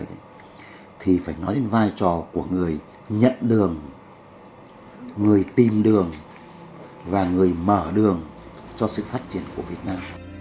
khi đảng ra đời thì phải nói đến vai trò của người nhận đường người tìm đường và người mở đường cho sự phát triển của việt nam